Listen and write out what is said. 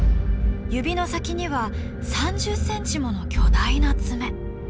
指の先には３０センチもの巨大なツメ。